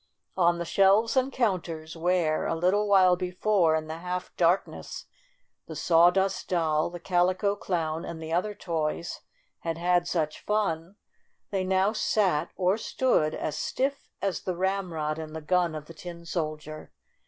On the shelves and counters where, a little while before in the half darkness, the Sawdust Doll, the Calico Clown, and the other toys had had such fun, they now sat or stood, as stiff as the ramrod in the gun THE LITTLE GIRL 29 of the Tin Soldier.